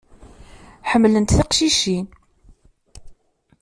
Ḥemmlent tiqcicin.